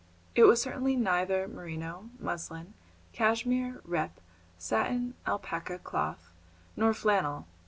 It was certainly neither merino, muslin, cashmere, rep, satin, alpaca, cloth, nor flannel.